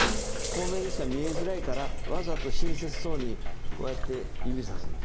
透明ですから見えづらいからわざと親切そうにこうやって指さす。